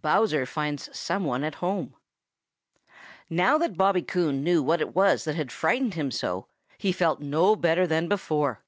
BROWSER FINDS SOMEONE AT HOME |NOW that Bobby Coon knew what it was that had frightened him so, he felt no better than before.